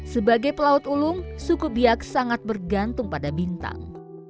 sebagai pelaut ulung suku biak sangat bergantung pada bintang